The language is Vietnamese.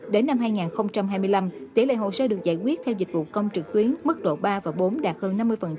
đến năm hai nghìn hai mươi năm tỷ lệ hồ sơ được giải quyết theo dịch vụ công trực tuyến mức độ ba và bốn đạt hơn năm mươi